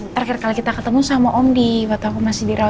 terakhir kali kita ketemu sama om di waktu aku masih dirawat